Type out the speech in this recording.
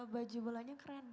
baju bolanya keren